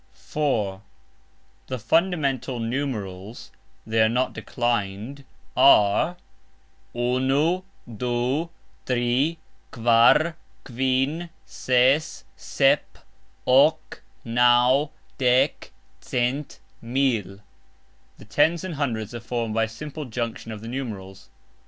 (4) The fundamental NUMERALS (they are not declined) are: "unu, du, tri, kvar, kvin, ses, sep, ok, naux, dek, cent, mil." The tens and hundreds are formed by simple junction of the numerals.